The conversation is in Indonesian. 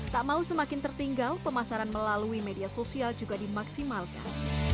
tak mau semakin tertinggal pemasaran melalui media sosial juga dimaksimalkan